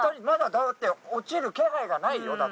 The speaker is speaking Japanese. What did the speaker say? まだだって落ちる気配がないよ？